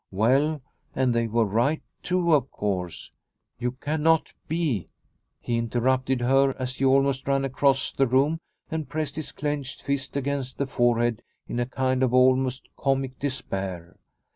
Well, and they were right too, of course. You cannot be He interrupted her as he almost ran across the room and pressed his clenched fist against his forehead in a kind of almost comic despair.